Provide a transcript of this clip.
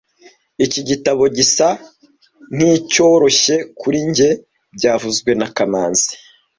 Iki gitabo gisa nkicyoroshye kuri njye byavuzwe na kamanzi